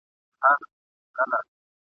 سترګي چي مي پټي سي مالِک د تاج محل یمه ..